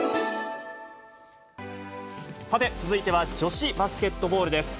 さて、続いては女子バスケットボールです。